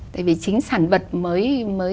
tại vì chính sản vật mới